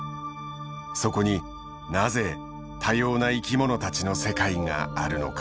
そこになぜ多様な生き物たちの世界があるのか？